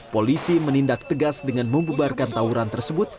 polisi menindak tegas dengan membebarkan tauran tersebut